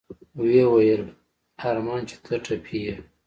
ويې ويل ارمان چې ته ټپي يې.